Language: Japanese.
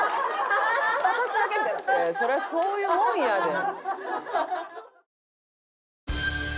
そりゃそういうもんやで。